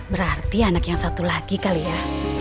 berarti anak yang satu lagi kali ya